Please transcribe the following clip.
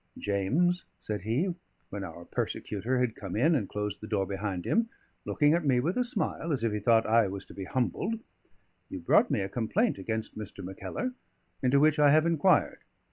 "James," said he, when our persecutor had come in and closed the door behind him, looking at me with a smile, as if he thought I was to be humbled, "you brought me a complaint against Mr. Mackellar, into which I have inquired.